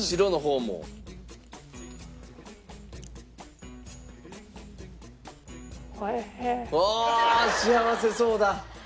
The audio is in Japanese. うわあ幸せそうだ。